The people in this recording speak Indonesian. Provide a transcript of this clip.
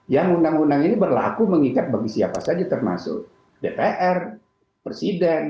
yang undang undang ini berlaku mengikat bagi siapa saja termasuk dpr presiden